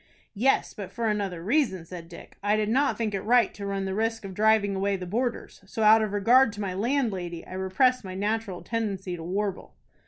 "Yes, but for another reason," said Dick. "I did not think it right to run the risk of driving away the boarders; so, out of regard to my landlady, I repressed my natural tendency to warble."